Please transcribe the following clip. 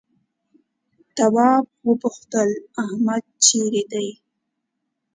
تواب وپوښتل احمد چيرې دی؟